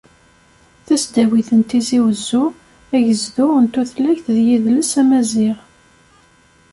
Tasdawit n Tizi Uzzu - Agezdu n tutlayt d yidles amaziɣ.